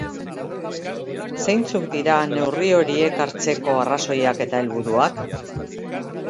Zeintzuk dira neurri horiek hartzeko arrazoiak eta helburuak?